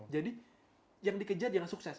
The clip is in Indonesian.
jadi yang dikejar jangan sukses